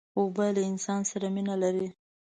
اوبه له انسان سره مینه لري.